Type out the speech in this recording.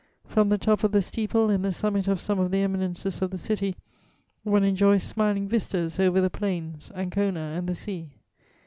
From the top of the steeple and the summit of some of the eminences of the city one enjoys smiling vistas over the plains, Ancona and the sea.